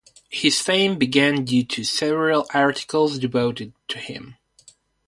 His fame began due to several articles devoted to him.